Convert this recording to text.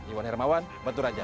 iwan hermawan bentur raja